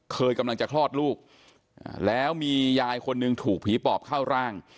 กำลังจะคลอดลูกแล้วมียายคนหนึ่งถูกผีปอบเข้าร่าง